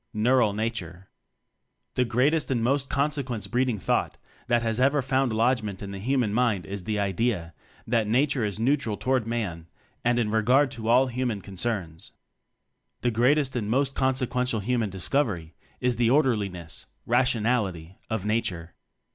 Neutral Nature. The greatest and most consequence breeding thought that has ever found lodgement in the human mind is the idea that: Nature is neutral toward Man and in regard to all Human con cerns. The greatest and most conse quential human discovery is: The Orderliness rationality of Nature.